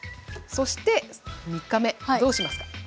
そして３日目どうしますか？